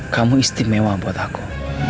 kamu istimewa buat aku